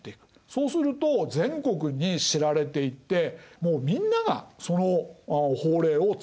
そうすると全国に知られていってもうみんながその法令を使うようになる。